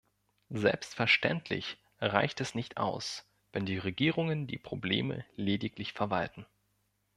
Selbstverständlich reicht es nicht aus, wenn die Regierungen die Probleme lediglich verwalten.